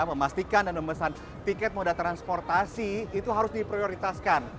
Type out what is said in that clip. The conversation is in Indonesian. memastikan dan memesan tiket moda transportasi itu harus diprioritaskan